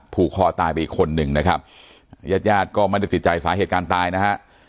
ผูกคอตายไปอีกคนนึงนะครับญาติญาติก็ไม่ได้ติดใจสาเหตุการณ์ตายนะฮะ